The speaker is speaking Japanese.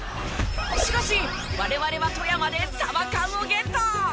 しかし我々は富山でサバ缶をゲット！